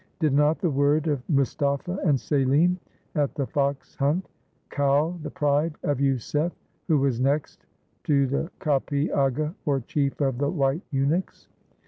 Did not the word of Mustapha and Selim, at the fox hunt, cow the pride of Yusef, who was next to the Capee Aga or chief of the white eunuchs?